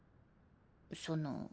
その。